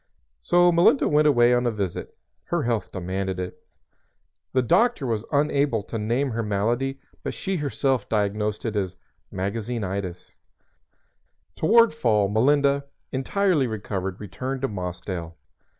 So Melinda went away on a visit. Her health demanded it. The doctor was unable to name her malady, but she herself diagnosed it as magazinitis. Toward fall Melinda, entirely recovered, returned to Mossdale.